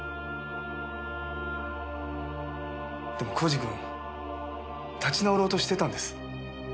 でも耕治君立ち直ろうとしてたんです。